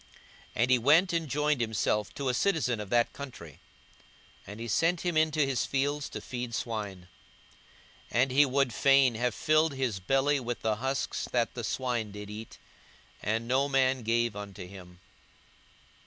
42:015:015 And he went and joined himself to a citizen of that country; and he sent him into his fields to feed swine. 42:015:016 And he would fain have filled his belly with the husks that the swine did eat: and no man gave unto him.